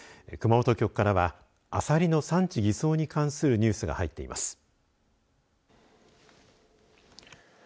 熊本局からはアサリの産地偽装に関するニュースが入っています。